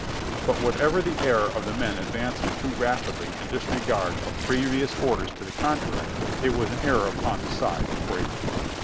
But whatever the error of the men advancing too rapidly in disregard of pre 204 JOHNNY RKB AND BII, LY YANK vious orders to the contrary, it was an error upon the side of bravery.